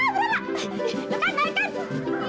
mau kekit ya